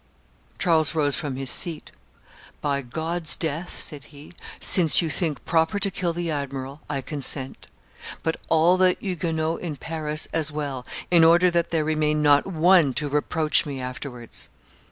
Charles rose from his seat. 'By God's death,' said he, 'since you think proper to kill the admiral, I consent; but all the Huguenots in Paris as well, in order that there remain not one to reproach me afterwards.